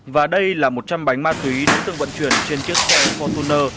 và đây là một trăm linh bánh ma túy được tương vận chuyển trên chiếc xe fortuner